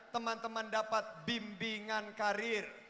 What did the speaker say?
teman teman dapat bimbingan karir